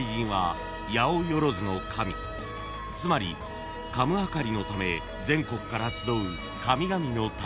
［つまり神議りのため全国から］